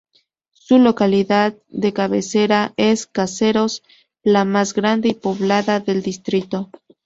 Su localidad de cabecera es Caseros, la más grande y poblada del distrito.